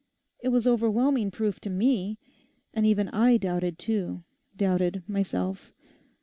It was overwhelming proof to me. And even I doubted too; doubted myself.